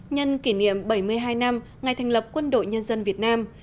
nhân kỷ niệm bảy mươi hai năm ngày thành lập quân đội nhân dân việt nam